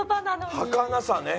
はかなさね。